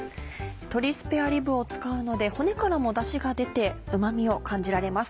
鶏スペアリブを使うので骨からもダシが出てうま味を感じられます。